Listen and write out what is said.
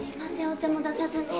お茶も出さずに。